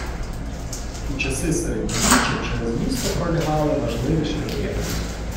У часи середньовіччя через місто пролягали важливі шляхи.